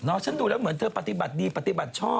มันเลยเหมือนเธอปฏิบัติดี